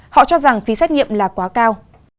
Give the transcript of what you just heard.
họ cho rằng phí xét nghiệm là quá cao